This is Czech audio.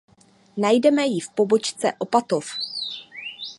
Najdeme ji v pobočce Opatov.